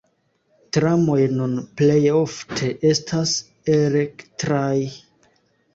Tramoj nun plej ofte estas elektraj.